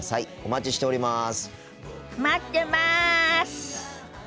待ってます！